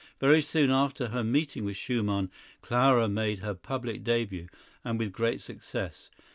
Very soon after her meeting with Schumann, Clara made her public début, and with great success.